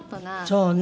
そうね。